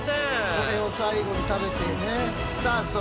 これを最後に食べてね。